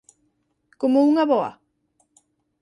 Como unha avoa?